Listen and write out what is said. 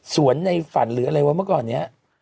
ในฝันหรืออะไรวะเมื่อก่อนนี้